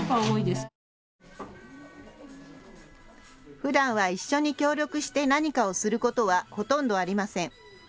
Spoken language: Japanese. ふだんは一緒に協力して何かをすることはほとんどありません。